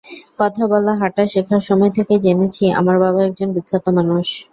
কথা বলা, হাঁটা শেখার সময় থেকেই জেনেছি, আমার বাবা একজন বিখ্যাত মানুষ।